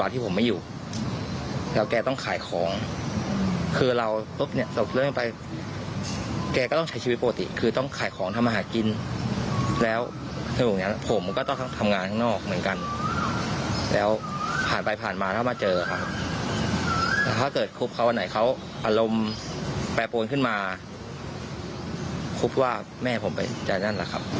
แล้วถ้าเกิดคบเขาวันไหนเขาอารมณ์แปรปวนขึ้นมาคุบว่าแม่ผมไปใจนั่นแหละครับ